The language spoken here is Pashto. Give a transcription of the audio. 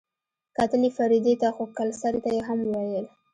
کتل يې فريدې ته خو کلسري ته يې هم وويل.